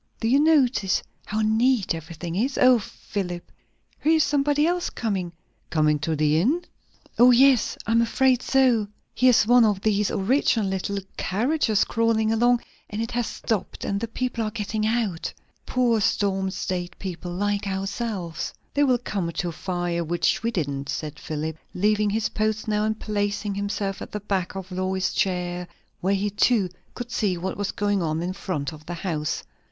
Do you notice how neat everything is? O Philip! here is somebody else coming!" "Coming to the inn?" "Yes. O, I'm afraid so. Here's one of these original little carriages crawling along, and it has stopped, and the people are getting out. Poor storm stayed people, like ourselves." "They will come to a fire, which we didn't," said Philip, leaving his post now and placing himself at the back of Lois's chair, where he too could see what was going on in front of the house.